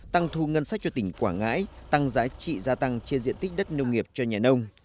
tăng thu ngân sách cho tỉnh quảng ngãi tăng giá trị gia tăng trên diện tích đất nông nghiệp cho nhà nông